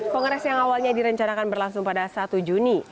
kongres yang awalnya direncanakan berlangsung pada satu juni